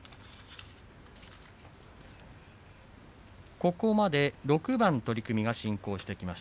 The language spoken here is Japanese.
ここまで６番取組が進行しています